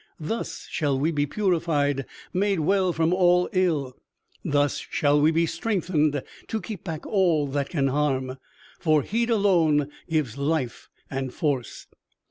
Thus shall we be purified, made well from all ill, Thus shall we be strengthened to keep back all that can harm, For heat alone gives life and force."